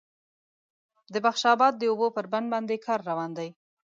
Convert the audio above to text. د بخش آباد د اوبو پر بند باندې کار روان دی